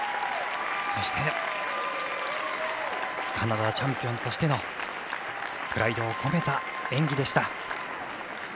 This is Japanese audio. そしてカナダチャンピオンとしてのプライドを込めた演技でした。